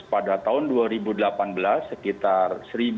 pada tahun dua ribu delapan belas sekitar satu dua ratus lima puluh delapan